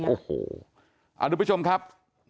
โอ้โหทุกผู้ชมครับ